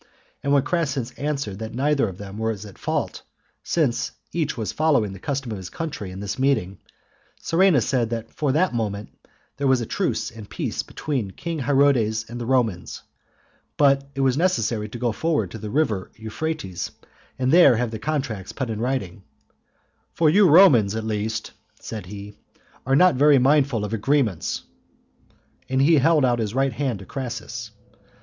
And when Crassus answered that neither of them was at fault, since each was following the custom of his country in this meeting, Surena said that from that moment there was a truce and peace between King Hyrodes and the Romans, but it was necessary to go forward to the river Euphrates and there have the contracts put in writing; "for you Romans at least," said he, "are not very mindful of agreements," and he held out his right hand to Crassus.